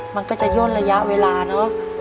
มันก็จะย่นระยะเวลาเนอะ